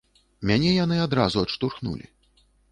Мяне яны адразу адштурхнулі.